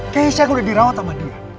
keisha udah dirawat sama dia